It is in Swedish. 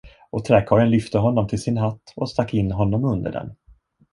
Och träkarlen lyfte honom till sin hatt och stack in honom under den.